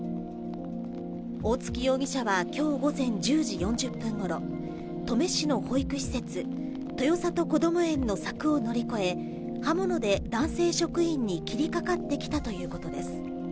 大槻容疑者はきょう午前１０時４０分ごろ、登米市の保育施設、豊里こども園の柵を乗り越え、刃物で男性職員に切りかかってきたということです。